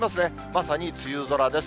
まさに梅雨空です。